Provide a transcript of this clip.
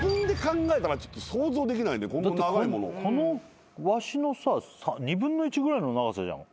このワシのさ２分の１ぐらいの長さじゃん。